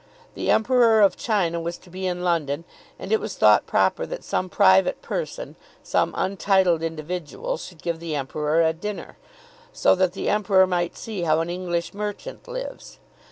The Emperor of China was to be in London and it was thought proper that some private person, some untitled individual, should give the Emperor a dinner, so that the Emperor might see how an English merchant lives.